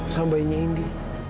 sama bayinya indi